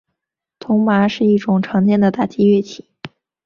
铜钹是一种常见的打击乐器。